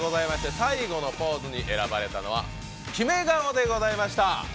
最後のポーズに選ばれたのは決め顔でございました。